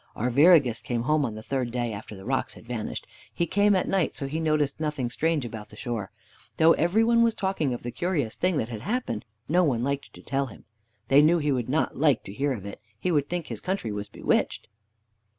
Arviragus came home on the third day after the rocks had vanished. He came at night, so he noticed nothing strange about the shore. Though every one was talking of the curious thing that had happened, no one liked to tell him. They knew he would not like to hear of it. He would think his country was bewitched.